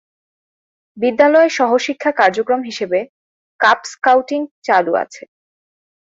বিদ্যালয়ে সহশিক্ষা কার্যক্রম হিসেবে কাব স্কাউটিং চালু আছে।